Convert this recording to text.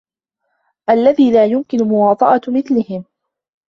الَّذِي لَا يُمْكِنُ مُوَاطَأَةُ مِثْلِهِمْ